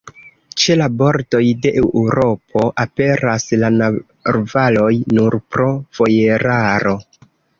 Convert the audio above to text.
Ĉe la bordoj de Eŭropo aperas la narvaloj nur pro vojeraro.